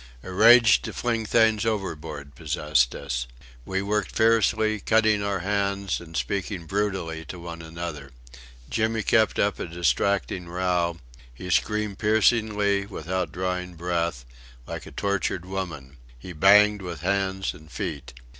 A rage to fling things overboard possessed us. We worked fiercely, cutting our hands and speaking brutally to one another. Jimmy kept up a distracting row; he screamed piercingly, without drawing breath, like a tortured woman; he banged with hands and feet.